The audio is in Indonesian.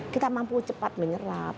kita mampu cepat menyerap